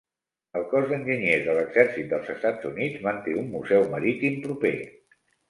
El Cos d'Enginyers de l'Exèrcit dels Estats Units manté un museu marítim proper.